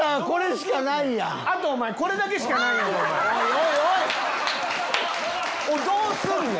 これしかないやん！